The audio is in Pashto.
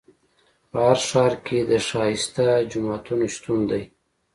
په هر ښار کې د ښایسته جوماتونو شتون دی.